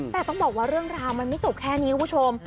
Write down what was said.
แต่ต้องบอกว่าเรื่องราวมันไม่จบแค่นี้คุณผู้ชม